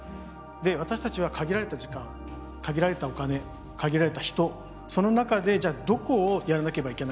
で私たちは限られた時間限られたお金限られた人その中でじゃあどこをやらなければいけないか。